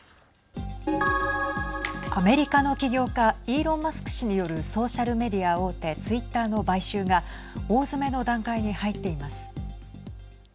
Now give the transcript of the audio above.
アメリカの起業家イーロン・マスク氏によるソーシャルメディア大手ツイッターの買収が大詰めの段階に入っています。